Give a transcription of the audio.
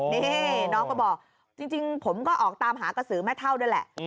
นี่น้องก็บอกจริงผมก็ออกตามหากระสือแม่เท่าด้วยแหละ